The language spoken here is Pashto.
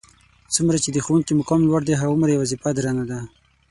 څومره چې د ښوونکي مقام لوړ دی هغومره یې وظیفه درنه ده.